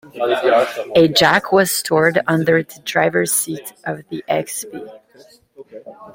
A jack was stored under the driver's seat of the xB.